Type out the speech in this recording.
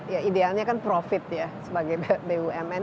ya idealnya kan profit ya sebagai bumn